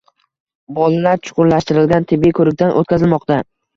Bolalar chuqurlashtirilgan tibbiy ko‘rikdan o‘tkazilmoqda